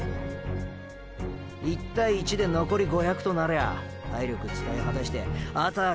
１対１でのこり５００となりゃ体力使い果たしてあたぁ